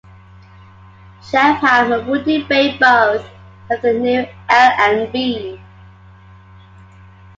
Chelfham and Woody Bay both serve the new L and B.